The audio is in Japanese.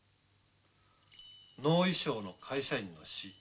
能衣装の会社員の死。